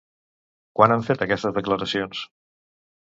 Quan han fet aquestes declaracions?